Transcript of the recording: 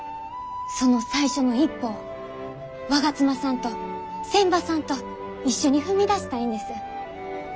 その最初の一歩を我妻さんと仙波さんと一緒に踏み出したいんです。